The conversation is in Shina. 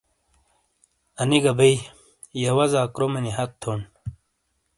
انی گہ بیئی، یہ وزا کرومینی ہت تھون۔